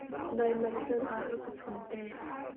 Nai manh caan ah rak ka chawn te.